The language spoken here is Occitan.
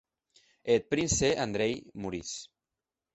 E eth prince Andrei morís.